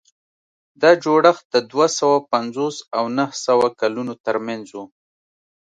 دا جوړښت د دوه سوه پنځوس او نهه سوه کلونو ترمنځ و.